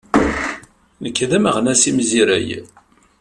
Nekk d aneɣmas imzireg.